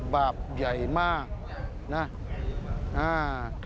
บาปใหญ่มาก